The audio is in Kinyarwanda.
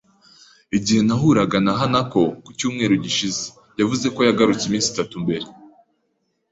Igihe nahuraga na Hanako ku cyumweru gishize, yavuze ko yagarutse iminsi itatu mbere.